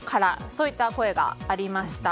そういった声がありました。